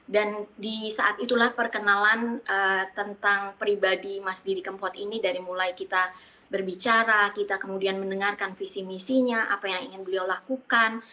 dan di saat itulah perkenalan tentang pribadi mas didi kempot ini dari mulai kita berbicara kita kemudian mendengarkan visi misinya apa yang ingin beliau lakukan